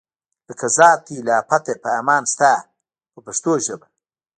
لکه ذات دی له آفته په امان ستا په پښتو ژبه.